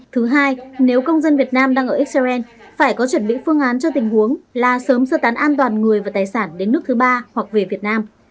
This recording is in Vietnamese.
thứ hai nếu công dân việt nam đang ở israel phải có chuẩn bị phương án cho tình huống là sớm sơ tán an toàn người và tài sản đến nước thứ ba hoặc về việt nam